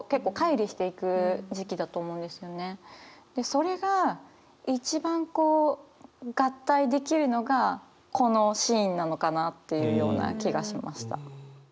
それが一番こう合体できるのがこのシーンなのかなっていうような気がしました。